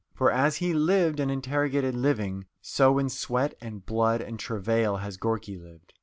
For as he lived and interrogated living, so in sweat and blood and travail has Gorky lived.